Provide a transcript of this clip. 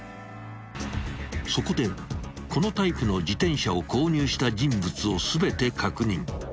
［そこでこのタイプの自転車を購入した人物を全て確認］